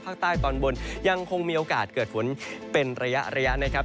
ตอนบนยังคงมีโอกาสเกิดฝนเป็นระยะนะครับ